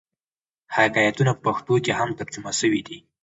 حکایتونه په پښتو کښي هم ترجمه سوي دي.